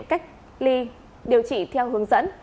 cách ly điều trị theo hướng dẫn